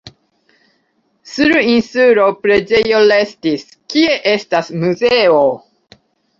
Sur insulo preĝejo restis, kie estas muzeo.